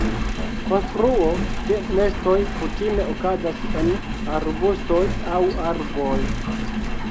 Konstruo de nestoj kutime okazas en arbustoj aŭ arboj.